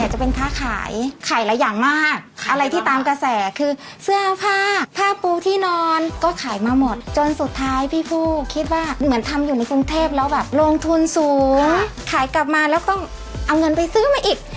เหมือนทำอยู่ในกรุงเทพแล้วแบบลงทุนสูงขายกลับมาแล้วต้องเอาเงินไปซื้อมาอีก